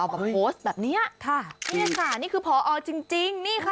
แบบโพสต์แบบเนี้ยค่ะนี่ค่ะนี่คือพอจริงจริงนี่ค่ะ